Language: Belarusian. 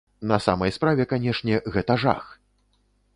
На самай справе, канешне, гэта жах!